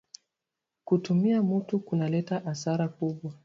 Kutumainia mutu kuna leta asara kubwa